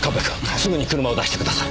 すぐに車を出してください。